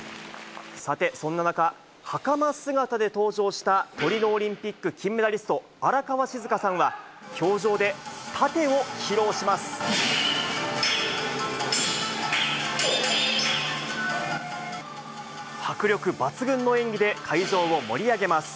さて、そんな中、はかま姿で登場したトリノオリンピック金メダリスト、荒川静香さんは、氷上でタテを披露します。